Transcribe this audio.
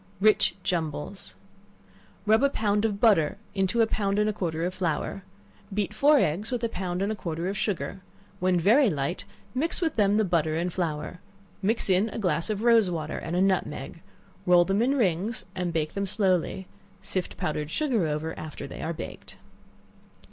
Rich Jumbles. Rub a pound of butter into a pound and a quarter of flour; beat four eggs with a pound and a quarter of sugar; when very light, mix them with the butter and flour; mix in a glass of rose water, and a nutmeg; roll them in rings, and bake them slowly; sift powdered sugar over after they are baked.